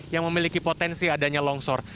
yang memiliki potensi adanya longsor